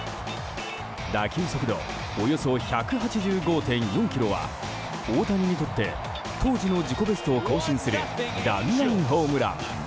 打球速度およそ１８５．４キロは大谷にとって当時の自己ベストを更新する弾丸ホームラン。